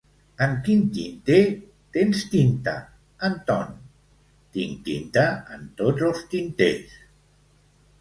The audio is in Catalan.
En quin tinter tens tinta, Anton? —Tinc tinta en tots els tinters.